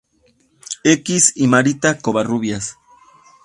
X y Marita Covarrubias.